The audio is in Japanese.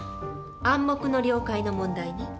「暗黙の了解」の問題ね。